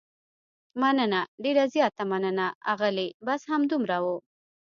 مننه، ډېره زیاته مننه، اغلې، بس همدومره و.